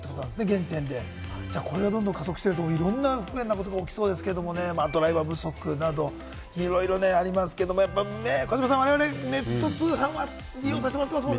現時点でこれがどんどん加速して、不便なことが起きそうですけれども、ドライバー不足などいろいろありますけれども、児嶋さん、ネット通販は利用させてもらってますもんね。